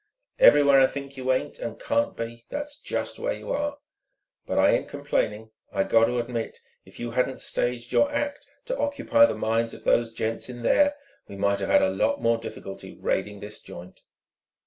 Everywhere I think you ain't and can't be, that's just where you are. But I ain't complaining; I got to admit, if you hadn't staged your act to occupy the minds of those gents in there, we might've had a lot more difficulty raiding this joint."